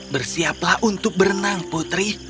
bersiaplah untuk berenang putri